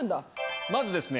まずですね